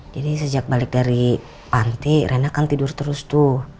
jadi sejak balik dari panti rena kan tidur terus tuh